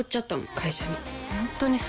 会社に。